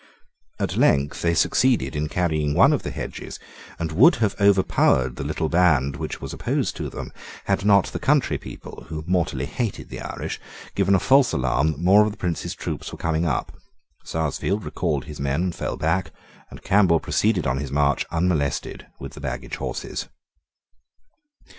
At length they succeeded in carrying one of the hedges; and would have overpowered the little band which was opposed to them, had not the country people, who mortally hated the Irish, given a false alarm that more of the Prince's troops were coming up. Sarsfield recalled his men and fell back; and Campbell proceeded on his march unmolested with the baggage horses.